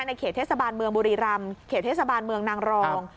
เขตเทศบาลเมืองบุรีรำเขตเทศบาลเมืองนางรอง